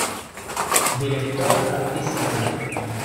Directora Artística.